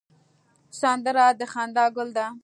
سندره د خندا ګل ده